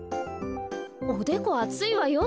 おでこあついわよ。